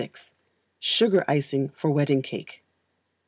Sugar Icing for Wedding Cake.